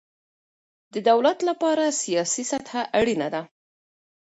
د دولت له پاره سیاسي سطحه اړینه ده.